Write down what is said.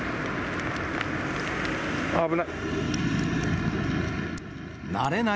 危ない。